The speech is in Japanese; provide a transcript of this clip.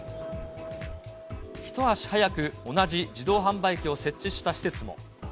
一足早く同じ自動販売機を設置した施設も。